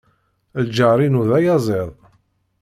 Lǧar-inu d ayaẓiḍ.